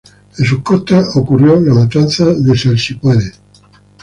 En sus costas ocurrió la Matanza de Salsipuedes.